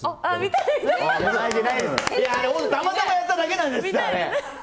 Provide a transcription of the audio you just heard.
たまたまやっただけなんですあれ。